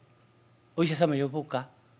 お医者様呼ぼうか？